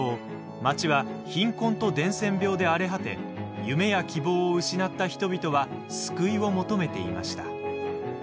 街は貧困と伝染病で荒れ果て夢や希望を失った人々は救いを求めていました。